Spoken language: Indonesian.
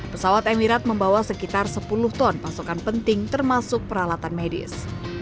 pesawat emirat membawa sekitar sepuluh ton pasokan penting termasuk peralatan medis